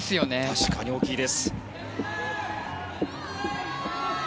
確かに大きいです。